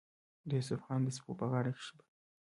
د يوسف خان د سپو پۀ غاړه کښې به